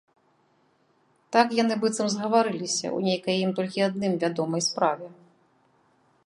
Так яны быццам згаварыліся ў нейкай ім толькі адным вядомай справе.